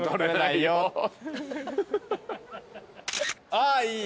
ああいい。